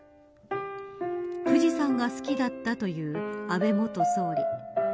富士山が好きだったという安倍元総理。